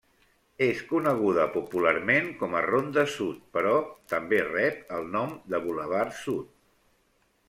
És coneguda popularment com a Ronda Sud però també rep el nom de Bulevard Sud.